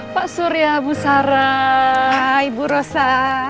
pak surya bu sara ibu rosa